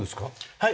はい。